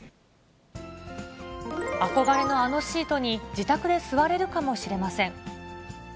憧れのあのシートに、自宅で座れるかもしれません。